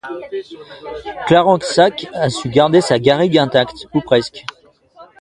Clarensac a su garder sa garrigue intacte, ou presque.